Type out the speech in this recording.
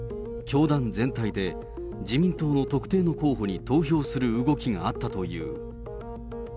教団全体で自民党の特定の候補に投票する動きがあったという。